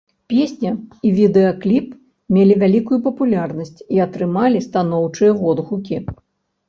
Песня і відэакліп мелі вялікую папулярнасць і атрымалі станоўчыя водгукі.